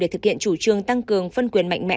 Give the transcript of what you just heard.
thực hiện chủ trương tăng cường phân quyền mạnh mẽ